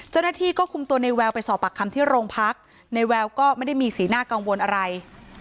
เจ้าหน้าที่ก็คุมตัวในแววไปสอบปากคำที่โรงพักในแววก็ไม่ได้มีสีหน้ากังวลอะไร